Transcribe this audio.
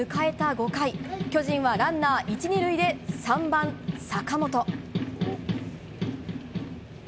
５回巨人はランナー１、２塁で３番、坂本。